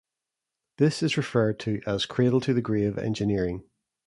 This is referred to as "cradle to grave" engineering.